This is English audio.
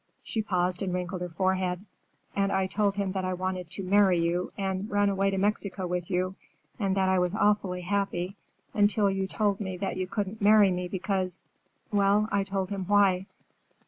She paused and wrinkled her forehead. "And I told him that I wanted to marry you and ran away to Mexico with you, and that I was awfully happy until you told me that you couldn't marry me because—well, I told him why."